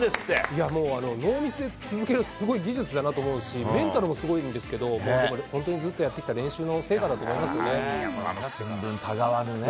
いやもう、ノーミスで続ける、すごい技術だなと思うし、メンタルもすごいんですけど、本当にずっとやってきた練習の成果だと思いますよね。